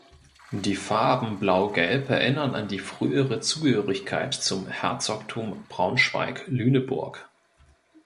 Die Farben Blau-Gelb erinnern an die frühere Zugehörigkeit zum Herzogtum Braunschweig-Lüneburg.